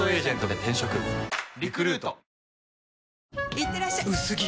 いってらっしゃ薄着！